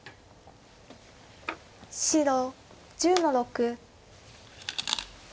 白１０の六。